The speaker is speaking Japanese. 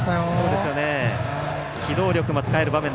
機動力も使える場面。